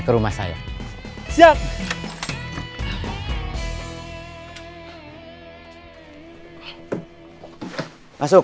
ke rumah saya siap masuk